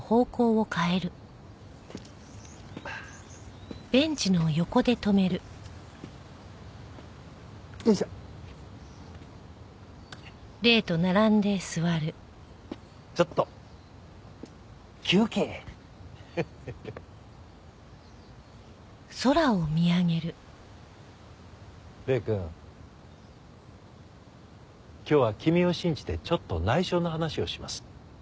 今日は君を信じてちょっと内緒の話をします。